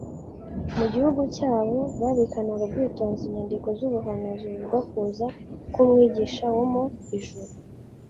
Mu gihugu cya bo babikanaga ubwitonzi inyandiko z'ubuhanuzi buvuga kuza k'Umwigisha wo mu ijuru.